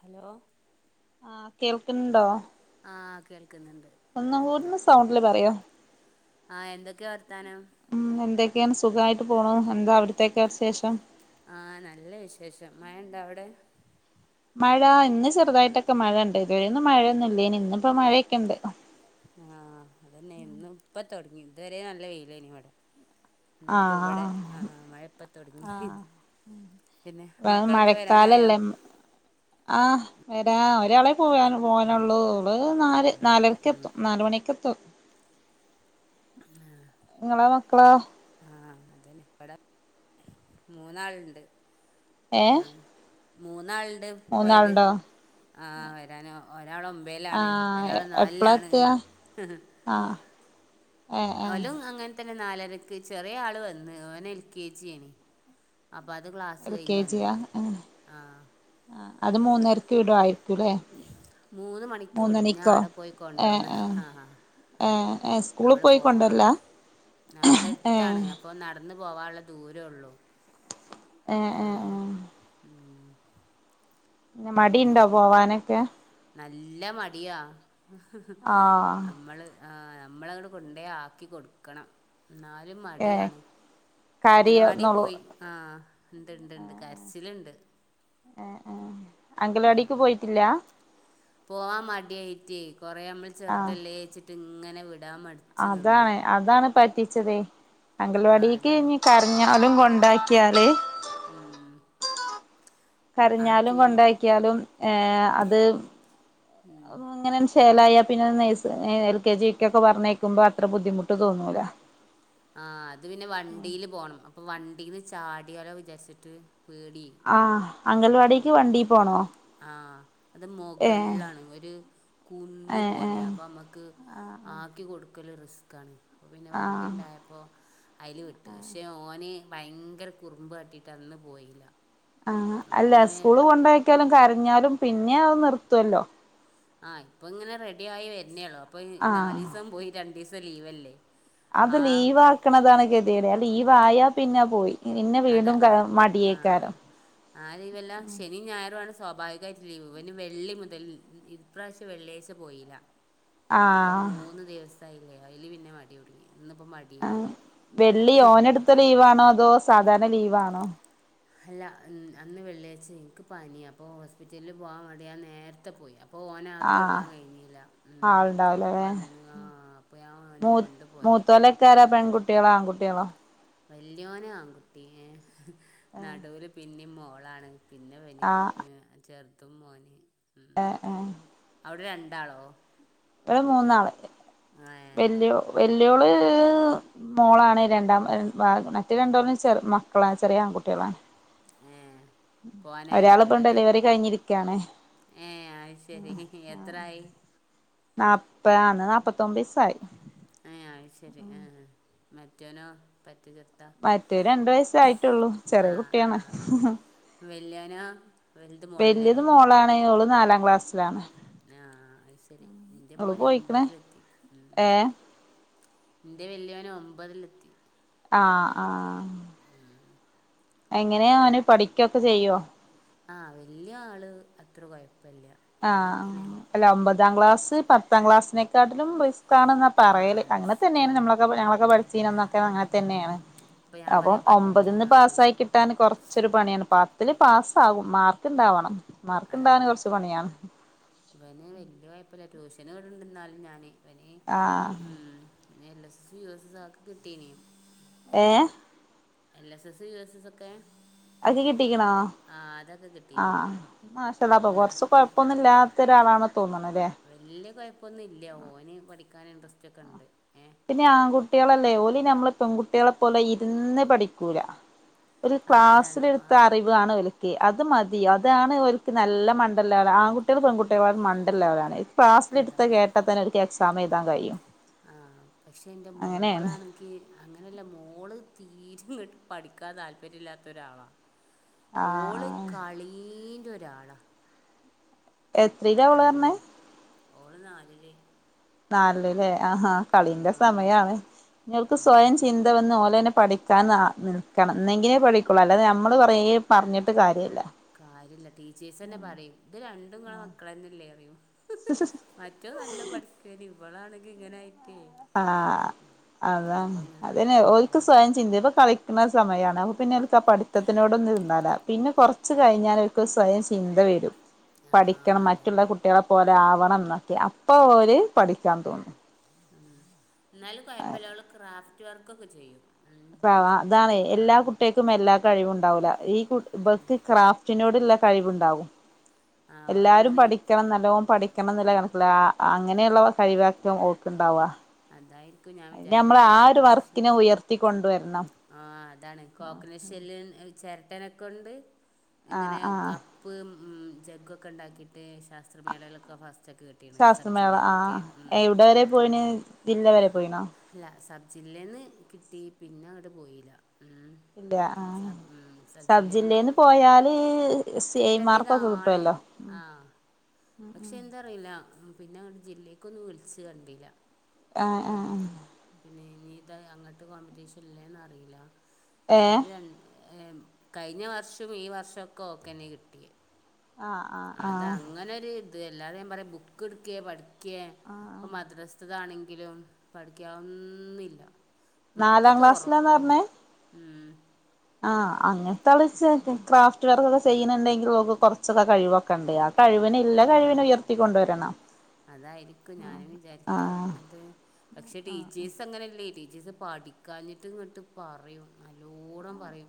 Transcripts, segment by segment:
Hello ആഹ് കേൾക്കുണ് ണ്ടോ? ആഹ് കേൾ ഒന്നുംകൂട്യൊന്ന് സൗണ്ടില് പറയോ ആഹ് എന്തൊക്കെയ വർത്താനം? ക്കെ എൻ സുഖായിട്ട് പോണു. എന്താ അവിടുത്തേക്കെ ശേഷം? ശേഷം മഴണ്ടൊ അവിടെ? മഴ ഇന്ന് ചെറുതായിട്ടൊക്കെ മഴ ഇണ്ട്. ഇതുവഴൊന്നും മഴയൊന്നും ഇല്ലേനി. ഇന്നിപ്പോ മഴയൊക്കെണ്ട്. ആഹ് അതന്നെ ന്ന്പ്പ തൊടങ്ങി ഇതുവരെ നല്ല വെയിലേനി വടെ ഇന്ന് പ്പോ വടെ ആഹ് മഴപ്പ തൊടങ്ങി. പിന്നെ ആ മക്കളൊക്കെ വരാനായോ മഴക്കാലല്ലേ ആഹ് വരാ ഒരാളെ പോയ ഉം പോകാനുള്ളൂ നാല് നാലരക്ക് എത്തും നാല മണിക്ക് എ ത്ത നിങ്ങളെ മക്കളൊ ആഹ് അതന്നെ ഇവിടെ മൂന്നാളുണ്ട് ആഹ് മൂന്നാളുണ്ട് പോയത് ആഹ് വരാനോ ഒരാളെ ഒമ്പലാണ് ആഹ് ഒരാളെ എപ്പളാ നാലിലാണ് എത്തുക ആഹ് ഏഹ് ഏഹ് ലും അങ്ങനെ തന്നെ നാലരക്ക് ചെറിയ ആള് വന്ന് ഓന എൽ കെ ജിണി അപ്പം അത് ക്ലാസ്സ് എൽ കെ കഴിഞ്ഞ് വന്ന് ജിയാ ആഹ് ആഹ് ആഹ് അത് മൂന്നരക്ക് വീടയിരിക്കുല്ലേ മൂന്ന് മണിക്ക് വിടും ഞാൻ അവിടെ പോയി കൊണ്ടോന്ന് ആഹ് ആഹ് സ്കൂളിൽ പോയിക്കൊണ്ടല്ലാ അവിടെ എടുത്താണ് അപ്പൊ നടന്നു പോവാനുള്ള ദൂരേ ഉള്ളു ആഹ് ആഹ് ആഹ് പി മടി പിന്നെ ഉണ്ടോ പോവാനൊക്കെ നല്ല മടിയാ ആഹ് നമ്മള് നമ്മളവിടെ കൊണ്ട ആക്കി കൊടുക്കണം എന്നാലും ഏഹ് മടിയാണ് അംഗനവാടി കരയുന്നോളൂ പോയി ആഹ് ഇണ്ട് ഇണ്ട് ഉണ്ട് കരച്ചിലുണ്ട് ആഹ് ആഹ് അങ്കലവാടിക്ക് പോയിട്ടില്ല പോവാൻ മടിയയിറ്റേ കൊറേ നമ്മൾ ആഹ് ചെറുതല്ലേച്ചിട്ട് ഇങ്ങനെ വിട അതാണ് അതാണ് പറ്റിച്ചതേ ആ അംഗൽവാടിക്ക് അതാണ് ഇ കരഞ്ഞ ആലും കൊണ്ടാക്കിയാൽ ഉം അവിടേക്ക് കരഞ്ഞാലും പിന്നെ കൊണ്ടാക്ക്യാലും ഏഹ് അത് ഇങ്ങനെ ൻച് ചേലായാ പിന്നെ നെയ്സ് ഏഹ് എൽ കെ ജി യു ക്കൊക്കെ പർഞ്ഞേക്കുമ്പോ അത്ര ബുദ്ധിമുട്ട് തോന്നൂല. ആഹ അത് പിന്നെ വണ്ടിൽ പോണം അപ്പൊ വണ്ടീന്ന് ചാടാലോ വിചാരിച്ചിട്ട് പേടി ആഹ് അംഗൽവാടിക്ക് ഉം വണ്ടി പോണോ ആഹ് അത് ഏഹ് മുകളിലാണ്ര് കന്ന് ഏഹ് പോലെയാണ് ഏഹ് അപ്പോം നമുക്ക് ആക്കി കൊടുക്കും എക്കല്ല റിസ്ക്കാണ് അപ്പോൾ പിന്നെ വണ്ടി ആഹ് ഉണ്ടായപ്പോൾ അതിൽ വിട്ട് പക്ഷേ ഓന് ഭയങ്കര കുറുമ്പ് കട്ടിട്ട് അന്ന് പോയില്ല ആഹ അപ്പോൾ അല്ല സ്കൂള് കൊണ്ടോക്കാലും കരഞ്ഞാലും പിന്നെ അത് നിർത്തുവല്ലോ ആഹ ഇപ്പ ഇങ്ങനെ റെഡി ആയി വരുന്നേള്ളോ അപ്പൊ നാല് ആഹ് ദിവസം പോയി രണ്ടു ദിവസം ലീവ്ല്ലേ അത് ലീവ് ആക്കണതാണ് ഗതിയുടെ ലീവായ പിന്നെ പോയി പിന്നെ അതെ വീണ്ടും ക ആ ആഹ മടിയേക്കാരം ആരീവല്ലാം ശനും ഞായറും ആ സ്വാഭാവികമായിട്ട് ലീവു ഇന് വെള്ളി മുതൽ ഇപ്രാവശ്യം വെള്ളിയാഴ്ച പോയില്ല അപ്പൊ ആഹ് മൂന്ന് ദിവസായില്ലേോ അല് പിന്നെ മടി തുടുങ്ങി ആ വെള്ളി ഓനടുത്ത ലീവാണോ അതോ സാധാരണ ലീവാ ആണോ അല്ല അന്ന് വെള്ളിയാഴ്ച എനിക്ക് പനി അപ്പൊ ഹോസ്പിറ്റലിൽ പോവാൻ മട ഞാൻ നേരത്തെ പോയി അ അപ്പോൾ ആഹ് ഓനക്കിെടുക്കാൻ കഴിഞ്ഞില്ല അപ്പം ആളുണ്ടാവൂലല്ലേ അന്ന് അപ്പോൾ ഞാൻ ഓനെ കൊണ്ടു പോയ മൂത്തോലക്കാരോ പെൺകുട്ടികളോ ആൺകുട്ടികളോ വല്യോന നടുവില് പിന്നെ മോളാണ് പിന്നെ ആഹ് ചെറുതും മോന് ഉം. അവിടെ രണ്ടാളോ ഇവിടെ മൂന്നാള് ഏ വിലയോ വ വല്യോള് മോളാണ് രണ്ടാമത്തെ മറ്റ് രണ്ടോളും മക്കളാണ് ചെറിയ ആൺകുട്ടികളാണ് ഏ പോകാനായി ഒരാളിപ്പൊ ഉണ്ടാവില്ല അല്ലേ ഡെലിവറി കഴിഞ്ഞിരിക്കാണ് ഏ അത് ശരി എത്രായി നാപ്പത് ആന്ന് നാപ്പത്തൊമ്പത് ദിവസായി അ ശരി ആ മറ്റോനോ പ മറ്റേ രണ്ടു വയസായിട്ടുള്ളൂ ചെറിയ കുട്ടിയാണ് വല്യോ നോ വലുത് മോള അല്ലേ വല്യത് മോളാണ് ഓള് നാലാം ക്ലാസ്സിലാണ് ആഹ അത് ശരി. എന്റെ ഓള് മോന് പോയിക്കണ് ഒമ്പതിലെത്തി ഉ ഏഹ് എന്റെ വലിയവന് ഒമ്പതിലെത്തി ആ ആ എങ്ങനെയ അവന് പഠിക്കൊക്കെ ചെയ്യുവോ ആഹ വല്യ ആള് അത്ര കൊഴപ്പമില്ല ആഹ അല്ല ഒമ്പതാം ക്ലാസ് പത്താം ക്ലാസിനെക്കാട്ടിലും പോ പാടാണെന്നാ ആ പറയല് അങ്ങനെ തന്നെയാണ് റിസ്ക്കാണ് നമ്മളൊക്കെ ഞങ്ങളൊക്കെ പഠിച്ചീരുന്ന തൊക്കെ അങ്ങനെ തന്നെയാണ് ഇപ്പം ഞാൻ അപ്പം പറയാം പത്ത് ഒമ്പതിന്ന് ആ പാസ്സായി കിട്ടാന് കൊറച്ചൊരു പാടാണ് പ ഒത്തിരി പാസ്സാകും മാർക്ക് ഉണ്ടാവണം മാർക്ക് ഉണ്ടാകൻ കുറച്ച് പാടാണ് അവന് വല്യ താല്പര്യമില്ല ട്യൂഷന് വിടുന്നുണ്ട് എന്നാലും ഞാന് അവനെ ആഹ് ഉ L S S U S S ഒക്കെ കിട്ടീയേ നി ഏ L S S U S S ഒക്കെ അത്കിട്ടിക്കണോ ആഹ് അതൊക്കെ കിട്ടീനി ആഹ അപ്പൊ ഇന്ന് കൊറച്ച് കൊഴപ്പൊന്നും ഇല്ലാത്ത ഒരാളാണ് തോന്നണല്ലേ വല്ിയ കൊഴപ്പൊന്നും ഇല്ല ഓന് പഠിക്കാൻ ഇൻട്രസ്റ്റ് ഒക്കെ ഉണ്ട് ഏഹ് പിന്നെ ആൺകുട്ടികളല്ലേ ഓലി നമ്മള് പെൺകുട്ടികളെ പോലെ ഇരുന്ന് പഠിക്കൂല ഒരു ആഹ് അതാണ് ക്ലാസ്സില എടുത്ത ആഹ് അറിവ് ആണലേ അത് മതി അതാണ് അവർക്ക് നല്ല മണ്ഡ ഉള്ളത്ആൺകുട്ടികൾ പെൺകുട്ടികും മണ്ഡ ഇല്ലാത്തവരാണ് ക്ലാസ്സില എടുത്ത് അതാണ് കേട്ടാ തന്നെ എനിക്ക് എക്സാം എഴുാൻ കഴിയും ആഹ പക്ഷെ എന്റെ അങ്ങനെയാണ് മോളാണെക്ക് അങ്ങനെയല്ല മോള് ഇരുന്ന് പഠിക്കാൻ താല്പര്യം ഇല്ലാത്ത ഒരാളാ ഓള് ആഹ് കളീന്റെ ഒരാളാ. എത്രില അവള് കളി പറഞ്ഞെ? ഓള് നാലില്. നാലിലല്ലേ ആ ആ കളിന്റെ ആഹ് സമയാണ്. നിങ്ങൾക്ക് ഉം സ്വയം ചിന്ത വന്ന പോലെ തന്നെ പഠിക്കാൻ നിക്കണം എന്നങ്കിലെ പഠിക്കുള്ളൂഅല്ലാതെ നമ്മള് പറഞ പഠിക്കില്ല. പറഞ്ഞിട്ട് കാര്യല്ല കാര്യമില്ല ടീച്ചേഴ്സ് തന്നെ പറയും ഇത് രണ്ടും കണക് തന്നെല്ലേ അറിയൂ. മറ്റോൻ നല്ല പഠിക്കുമാരുന്നു ഇവളാണെങ്കി ഇങ്ങനായി്. ആഹ് അപ്പം അതാണ് അങ്ങനെ അതിന് ആ ഓക്ക് ഓൽ സ്വയം ചിന്ത വേണംകള സമയാണ് അപ്പ പിന്നെ എക്ക് ആ പഠിത്തത്തിനോടൊന്നും ഇരുന്നാല പിന്നെ കുറച്ച് കിഞ്ഞാൽ എക്ക് സ്വയം ചിന്ത വരും. ആ പഠിക്കണം മറ്റുള്ള അതന്നെ കുട്ടികളെ പോലെ ആവണം. എന്നൊക്കെ അപ്പ ഓര് പഠിക്കാൻ തോന്നും. ഉം എന്നാലും കുഴപ്പല്ല അവൾ ക്രാഫ്റ്റ് വർക്കൊക്കെ ചെയ്യും. ഉം അവാ അതാണ് ആ എല്ലാ കുട്ടികക്കും എല്ലാ കഴിവും ഉണ്ടാവൂല. ഈ ഇവർക്ക് ക്രാഫ്റ്റിനോടുള്ള കഴിവുണ്ടാവും. ആ എല്ലാരും ഓളിങ്ങനെ പഠിക്കണം. നല്ലോണം പഠി പഠിക്കണംന്നുള്ള കഴിവില്ല അങ്ങനെയുള്ള കഴിവാരിക്കും ഓക്കുണ്ടാവുക. അതായിരിക്കും ഞാൻ അയിന് നമ്മൾ വിചാരിക്കുന്നത് ആ ഒരു കോക്കനട്ട് വർക്കിനെ ഷെല്ല് ഉയർത്തി കൊണ്ടുവരണം ആ അതാണ് കോക്കനട്ട്ഷെല്ല് ചെരട്ടനക്കൊണ്ട് ആഹ് ഇങ്ങനെ ആഹ് കപ്പ് ഉം ജഗ്ഗൊക്കെണ്ടാക്കിട്ട് ശാസ്ത്രമേളയിലൊക്കെ ഫസ് ശാസ്ത്രമേള ആഹ് എവടെ വരെ പോയിണ് ജില്ല വരെ പോയിണോ ല്ല സബ്ജില്ലേന്ന് കിട്ടി പിന്നെ അവിടെ പോയില്ല ഉം ഇല്ല ആ സബ് ഉം സബ് ജില്ലയിൽന്ന് സബ്ജില്ലേന്ന് പോയാല് സീ മാർക്കൊക്കെ കിട്ടേണ്ടതാണ് കിട്ടുവല്ലോ ഉം ആ പക്ഷെ എന്തറിയില്ല പിന്നങ്ങട്ട് ജില്ലേക്കൊന്നും വിളിച്ച് കണ്ടില്ല ആഹ ഉം പിന്നെ യ്താ അങ്ങൻത്തെ കോമ്പറ്റീഷൻ ഇല്ലേന്ന റീല്ല ഏഹ് ഏതായാലും ര എം കഴിഞ്ഞ വർഷും ഈ വർഷോക്കൊക്കെന്നേ കിട്ട്യേ. ആഹ് ആഹ് അത ആഹ് അങ്ങനൊരു ല്ലാതെ ഞാൻ പറ ബുക്ക് ഇടുക്കേ പഠിക്കെ ഇപ്പ മദ്രസ്ഥാണെങ്ക എങ്കിലും പഠിക്കാവുന്നില്ല ബുക്ക് നാലാം ക്ലാസ്സിലാന്ന് തൊറക്കുല പറഞ്ഞേ ഉം ആഹ് അങ്ങനത്തെ [unintelligible] ക്രാഫ്റ്റ് വെയർകൾ ചെയ്യണണ്ടെങ്കിൽ ഓക്ക് കുറച്ചൊക്കെ കഴിവൊക്കെ ഉണ്ട് ആ കഴിവ കഴിവിന ഇല്ല ആ കഴിവിന ഉയർത്തിക്കൊണ്ടുവരണം അതായിരിക്കും ഞാനും വിചാരിക്ക ആഹ് എന്നിട്ട് പക്ഷെ ടീച്ചേഴസ് അങ്ങനല്ലേ ടീ ഇത് പഠിക്കാഞ്ഞിട്ട് ങ്ങട്ട് പറിം നല്ലോണം പറിം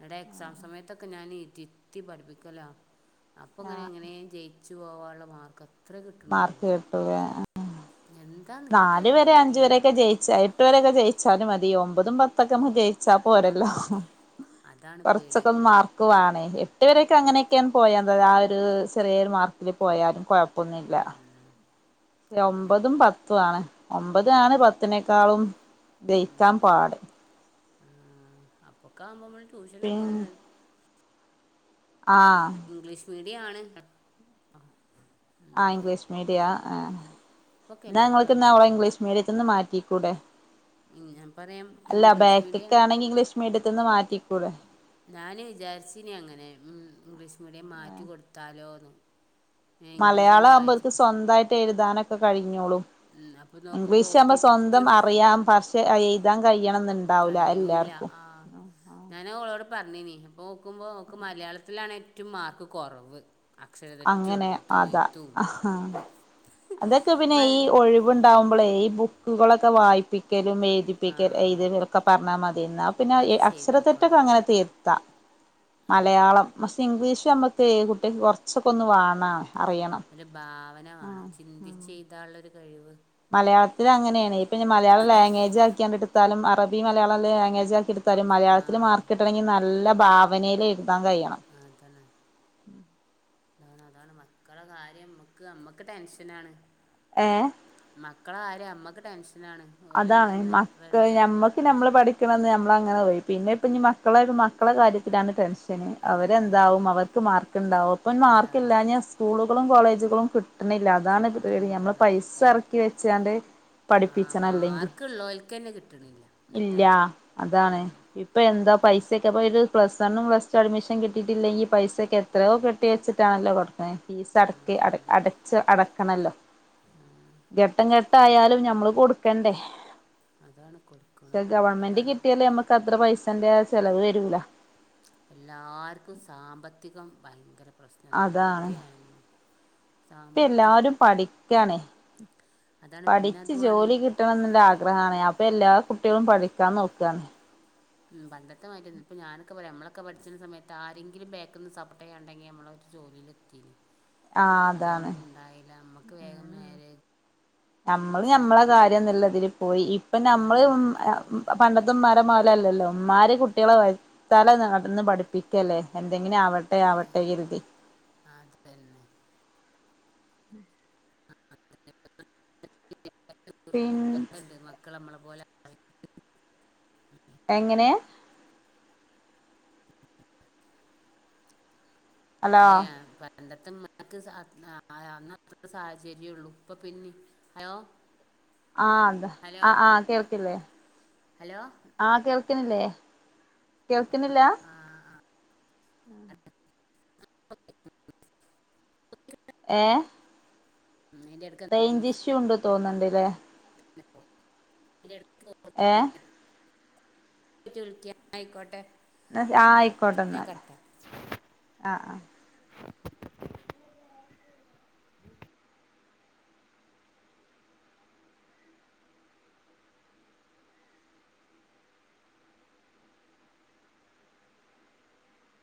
ങ്ങട്ട് എക്സാം സമയത്തൊക്കെ ഞാന് ഇരിത്തി പഠിപ്പിക്കല അപ്പൊ ങ്ങനെ ആഹ് എങ്ങനേം ജയിച്ചു പോകാനുള്ള മാർക്ക് അത്ര മാർക്ക് കിട്ടുല്ലേ ആ എന്താന്ന് നാല് എനിക്കൊരു വരെ അഞ്ച് ഐഡിയ ഇല്ല വരൊക്കെ ജയിച്ച എട്ട് വരെ ക്കെ ജയിച്ചാലും മതി ഒമ്പതും പത്തൊക്കൊന്ന് ജയിച്ച പോരല്ലോ ഉഹോ അതാണ് പേടി കൊറച്ചൊക്കെ മാർക്ക് വാണേ ട്ട് വരെക്കെ അങ്ങനെക്കെണ് പോയതന്നെ ആ ര് ചെറിയൊരു മാർക്ക്ന് പോയാലും കൊഴപ്പൊന്നുല്ല. ഉം, അതാണ് ഒമ്പതും പത്തും ആണ് ഒമ്പതാണ് പത്തിനേക്കാളും ജയിക്കാൻ ഉം. പാട് ആ അപ്പോക്കെ ആവുമ്പോമ്മൾ ട്യൂഷനൊക്കെ പിന്നെ [unintelligible] ആ [inaudible] ആണ് അ ആ ആ ഇംഗ്ലീഷ് മീഡിയ എഹ് അപ്പൊക്കെ ഇന്നാ എല്ലായിടത്തും ഇങ്ങൾക്ക്ന്നാ ഓളെ അങ്ങനെയല്ലേ ഇംഗ്ലീഷ് മീഡിയത്ത്ന്ന് മാറ്റി കുടേ ഉം ഞാൻ പറയാം ഇംഗ്ലീഷ് മീഡിയം ത്ത്ന്ന് മാറ്റി ഞാന് വിചാരിച്ചിനി അങ്ങനെ ഉം ഇംഗ്ലീഷ് മീഡിയം മാറ്റി കൊടുത്താലോന്ന് മലയാളാവുമ്പോൽക്ക് സ്വന്തായിട്ട് എഴ്താനൊക്കെ കഴിഞ്ഞോളും ഉം, അപ്പോൾ നോക്കുമ്പോൾ ഓക്ക് ഇംഗ്ലീഷാവുമ്പം സ്വന്തം ഏറ്റവും അറിയാം പക്ഷെ അ എഴ്താൻ ക കഴിയൂല്ല ആഹ ഞാന് ഓളോട് പറഞ്ഞീനീ നോക്കുമ്പോ ഓക്ക് മലയാളത്തിലാണ് ഏറ്റും മാർക്ക് കൊറവ് അങ്ങനെ അതാ അഹാ അതൊക്കെ പിന്നെ മൽ ഈ ഒഴിവുണ്ടാവുമ്പോളേ ഈ ബുക്കുകളൊക്കെ വായിപ്പി ക്കലും ആ എഴുതിപ്പിക്ക [unintelligible] ഒക്കെ പർഞ്ഞാ മതി ന്നാ പിന്നെ അത് എഹ് ചെയ്തു അക്ഷര നോക്കണം തെറ്റൊക്കെ അങ്ങനെ തിര്ത്താ. ഉം. മലയാളം പക്ഷെ ഇംഗ്ലീഷ് അമ്മക്ക് കുട്ട്യെക്ക് കൊർച്ചൊക്കൊന്ന് വാണാ ഒരു ഭാവന വാണം ചിന്തിച്ചെഴ്താനുള്ളൊരു കഴിവ്. മലയാളത്തിൽ അങ്ങനേണ്. ഇപ്പഞ്ഞി മലയാള ലാംഗ്വേജ് ആക്കിയാണ്ട് എടുത്താലും അറബി മലയാളം ലാംഗ്വേജ് ആക്കി എടുത്ത് [inaudible] ആ മലയാളത്തില് മാർക്കിട്ടണങ്കിൽ നല്ല ഭാവനയിൽ എഴു [inaudible] കയ്യണം താണ് അതാണ് മക്കള കാര്യംമ്മക്ക് നമ്മക്ക് ടെൻഷനാണ് ഏ മക്കള കാര്യം അമ്മക്ക് ടെൻഷ് അതാണ് മക്കള് ഞമ്മക്ക് ആ നമ്മള് പഠിക്കണന്ന് നമ്മള അങ്ങനെ പോയി പിന്നെ ഇപ്പ ഇ മക്കളെ ഒരു മക്കളെ കാര്യത്തിലാണ് ടെൻഷ അതാണ് അവരെന്താവും അവർക്ക് മാർക്ക്ണ്ടാവും അപ്പം മാർക്ക എന്താവല് ഇില്ലാൽ സ്കൂളുകളും കോളേജുകളും കി പട്ടല്ല അതാണ് കിട്ടണില്ല നമ്മൾ അതാണ് പൈസ എം ഇറക്കി വെച്ചാണ്ട് ആ പഠിപ്പ മാർക്കുള്ളോൽക്കന്നെ കിട്ടണില്ല ഇല്ല എന്നിട്ടാണ് അതാണ് ഉം ഇപ്പ എന്താ പൈസയക്കെ ഇപ്പോ ഒരു പ്ലസ് വണ്ണും പ്ലസ് ടു അഡ്മിഷൻ കിട്ടിയിട്ടില്ലെങ്ക പൈസൊക്കെ എയോ കെട്ടെച്ചിട്ടണോടുക്കും. ഫീസ് ആ അടക്കി അതന്നെ അടച്ച് അട ക്കണല്ലോ ആ ഘെട്ടം ഘട്ട ആായാലും ഞമ്മള് കൊടുക്കണ്ടേ. അതാണ് പക്ഷെ കൊടുക്കണം ഗവണ്മെന്റ് അതാണ് കിട്ടിയാലേ നമ്മക്ക് അത്ര പൈസേന്റെ ചെലവ് വരൂല. എല്ലാർക്കും സാമ്പത്തികം ഭയങ്കര പ്രശ്നം തന്നെ. അതാണ് എവിടെയായി ഇപ്പ എല്ലാരും പഠിക്കാണെ. അതാണ് പിന്നെ പഠിച്ചു അതുമാണ് ജോലി കിട്ടണം എന്നുള്ള ആഗ്രഹണ അപ്പൊ എല്ലാ കുട്ടികളും പഠിക്കാൻ നോക്കാണ്. ഉം പണ്ടത്തെമായിട്ടന്ന ഇപ്പൊ ഞാനൊക്കെ പറയാ നമ്മളൊക്കെ പഠിച്ചണ സമയത്ത് ആരെങ്കിലും ബേക്കൊന്ന് സപ്പട്ടയ ഉണ്ടെങ്കിൽ നമ്മള ജോല എത്തി ആഹ് അതാണ് അതൊന്നും ഉണ്ടായില്ല നമ്മക്ക് വേഗം നമ്മള് നമ്മളെ കാര്യം നല്ലതിൽ പോയി ഇപ്പൊ നമ്മള് അങ്ങനെണ്ട് കൊടുങ്ങും പണ്ടത്തും മരമായി ല്ലല്ലല്ലേ ഉമാരി കുട്ടികളെ വരുത്താല നടന്ന് പഠിപ്പിക്കല്ലേ എന്തെങ്കിലും ആ ട്ടെ ആ ആവട്ടെ ഇരുതി അതന്നെ പിൻ മക്കൾ നമ്മളെ പോലെ എങ്ങനെ ഹലോ അല്ലേ. രണ്ടത്തെ മക്ക് ആ അന്ന്ത്ര സാഹചര്യള്ളു ഇപ്പൊ പിന്നെ അയോ ആഹ് അതെ ആ ആഹ് കേൾക്കില്ലേ ഹലോ ആഹ് കേൾ ല്ലേ കേൾക്കുന്നില്ല. ഏ ഉം അയിന്റെ എടക്ക് എന്തോ മിസ് റേഞ്ചിഷു ഉണ്ട് തോന്നണ്ടല്ലേ. [unintelligible] ഏ വിളിക്ക ആയിക്കോട്ടെ. എന്ന ആയിക്കോട്ടെ ഞാൻ എന്നാല് കട്ടാ ആഹ് ആഹ്